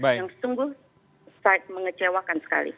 yang sungguh sangat mengecewakan sekali